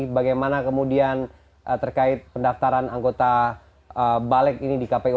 bagaimana kemudian terkait pendaftaran anggota balik ini di kpu